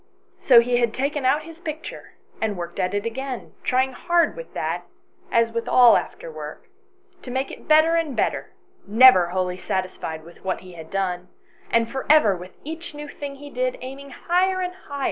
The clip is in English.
So he had taken out his picture and worked at it again, trying hard with that, as with all after work, to make it better and better, never wholly satisfied with what he had done, and for ever with each new thing he did, aiming higher and higher; 138 ANYHOW STORIES.